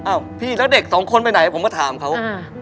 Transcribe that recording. พี่แล้วเด็กสองคนไปไหนผมก็ถามเขา